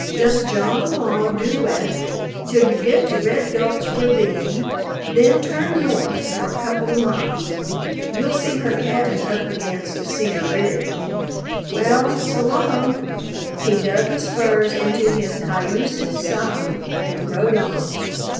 Just jog along due west till you get to Red Gulch ravine, then turn north for a couple of miles. You'll see her cabin up against a cedar ridge. Well, so 'long!" He dug his spurs into his cayuse's side and rode on.